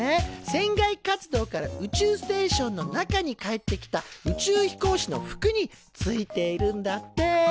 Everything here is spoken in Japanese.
船外活動から宇宙ステーションの中に帰ってきた宇宙飛行士の服についているんだって。